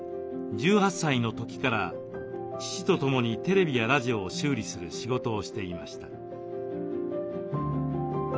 １８歳の時から父とともにテレビやラジオを修理する仕事をしていました。